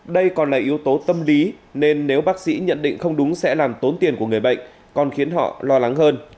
đây còn là yếu tố tâm lý nên nếu bác sĩ nhận định không đúng sẽ làm tốn tiền của người bệnh còn khiến họ lo lắng hơn